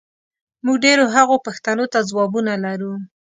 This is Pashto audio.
موږ ډېرو هغو پوښتنو ته ځوابونه لرو،